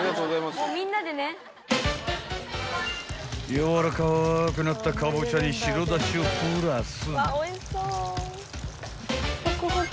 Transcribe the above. ［やわらかくなったカボチャに白だしをプラス］